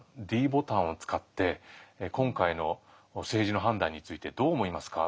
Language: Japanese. ｄボタンを使って今回の政治の判断についてどう思いますか？